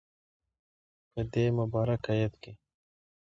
په دی مبارک ایت کی